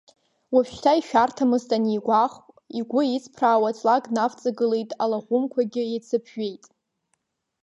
Уажәшьҭа ишәарҭамызт анигәахә, игәы иҵԥраауа, ҵлак днавҵагылеит, алаӷәымқәагьы еицыԥжәеит.